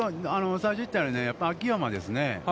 最初に言ったように、秋山ですね。